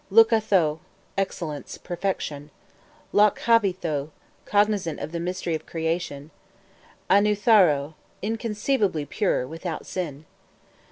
4. Lukha tho, Excellence, Perfection. 5. Lôk havi tho, Cognizant of the mystery of Creation. 6. Annutharo, Inconceivably Pure, without Sin.